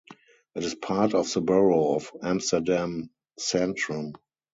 It is part of the borough of Amsterdam-Centrum.